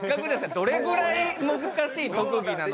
どれぐらい難しい特技なのか。